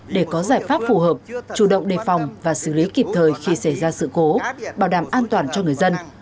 để có giải pháp phù hợp chủ động đề phòng và xử lý kịp thời khi xảy ra sự cố bảo đảm an toàn cho người dân